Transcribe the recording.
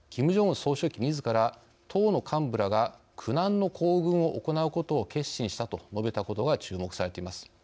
総書記みずから党の幹部らが苦難の行軍を行うことを決心したと述べたことが注目されています。